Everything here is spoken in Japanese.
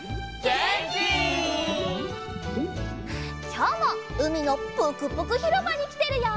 きょうもうみのぷくぷくひろばにきてるよ！